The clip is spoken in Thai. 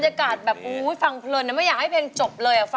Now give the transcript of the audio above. เท้าแช่เนี่ยให้ปาตอดอยู่นะ